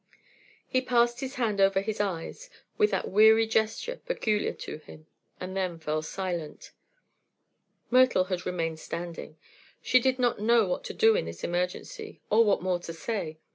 He passed his hand over his eyes with that weary gesture peculiar to him, and then fell silent. Myrtle had remained standing. She did not know what to do in this emergency, or what more to say.